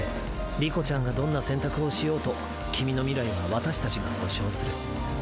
理子ちゃんがどんな選択をしようと君の未来は私たちが保証する。